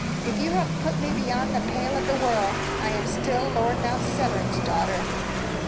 "If you have put me beyond the pale of the world, I am still Lord Mount Severn's daughter!"